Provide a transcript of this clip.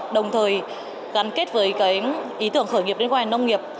đồng thời gắn kết với ý tưởng khởi nghiệp liên quan đến nông nghiệp